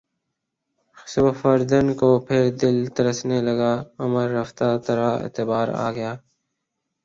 صبح فردا کو پھر دل ترسنے لگا عمر رفتہ ترا اعتبار آ گیا